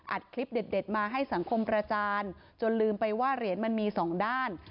คลิปเด็ดมาให้สังคมประจานจนลืมไปว่าเหรียญมันมีสองด้าน